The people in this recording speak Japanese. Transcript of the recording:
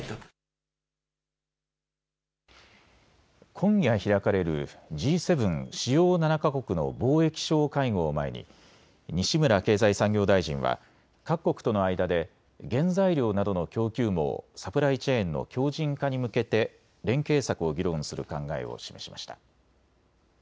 今夜開かれるＧ７・主要７か国の貿易相会合を前に西村経済産業大臣は各国との間で原材料などの供給網・サプライチェーンの強じん化に向けて連携策を議論する考えを示しました。